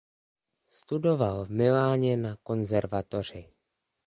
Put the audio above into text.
Studoval v Miláně na konzervatoři.